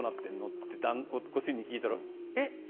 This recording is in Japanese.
ってご主人に聞いたら、えっ？